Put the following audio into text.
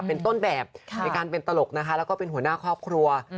เป็นต้นแบบในการเป็นตลกนะคะแล้วก็เป็นหัวหน้าครอบครัว